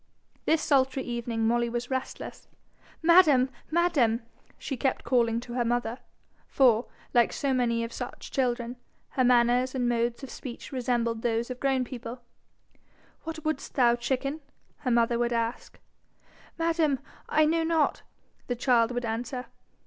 This sultry evening Molly was restless. 'Madam! madam!' she kept calling to her mother for, like so many of such children, her manners and modes of speech resembled those of grown people, 'What wouldst thou, chicken?' her mother would ask. 'Madam, I know not,' the child would answer.